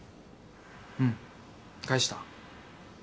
うん帰した。